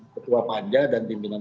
ketua panja dan pimpinan